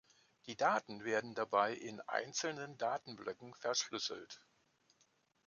Die Daten werden dabei in einzelnen Datenblöcken verschlüsselt.